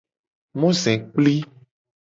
Mozekpli.